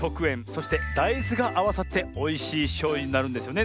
そしてだいずがあわさっておいしいしょうゆになるんですよね